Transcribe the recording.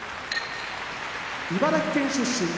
茨城県出身